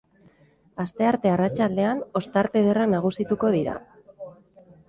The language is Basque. Astearte arratsaldean ostarte ederrak nagusituko dira.